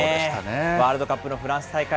ワールドカップのフランス大会。